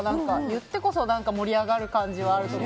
言ってこそ盛り上がる感じがあるし。